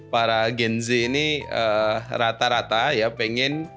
para gen z ini rata rata ya pengen